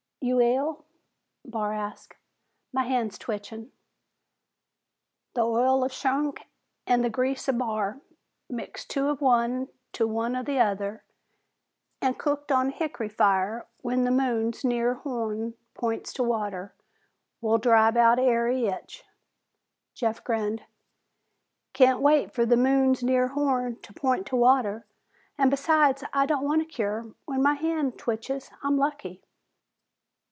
"You ail?" Barr asked. "My hand's twitching." "The oil of shunk an' the grease of b'ar, mixed two of one to one of the other, an' cooked on a hick'ry fire when the moon's near horn points to water, will drive out ary itch." Jeff grinned. "Can't wait for the moon's near horn to point to water, and besides I don't want a cure. When my hand twitches, I'm lucky."